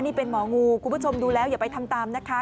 นี่เป็นหมองูคุณผู้ชมดูแล้วอย่าไปทำตามนะคะ